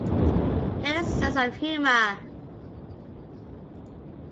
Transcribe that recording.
Get a sense of humor.